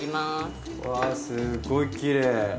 うわすごいきれい。